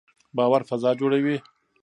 باور فضا جوړوي